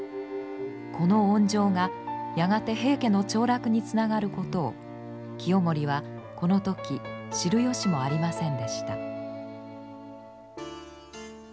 この恩情がやがて平家の凋落につながることを清盛はこの時知る由もありませんでした。